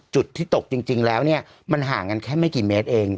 จุดที่ตกจริงแล้วเนี่ยมันห่างกันแค่ไม่กี่เมตรเอง